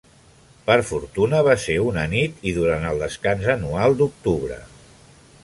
Per fortuna, va ser una nit i durant el descans anual d'octubre.